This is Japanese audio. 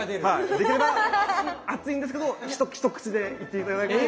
できれば熱いんですけど一口でいって頂けると。